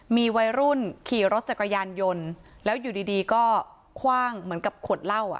มีวัยรุ่นขี่รถจักรยานยนต์แล้วอยู่ดีดีก็คว่างเหมือนกับขวดเหล้าอ่ะ